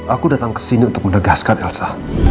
aku datang kesini untuk menegaskan elsa